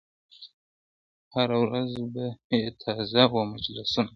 هره ورځ به یې تازه وه مجلسونه `